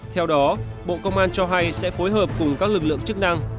theo đó bộ công an cho hay sẽ phối hợp cùng các lực lượng chức năng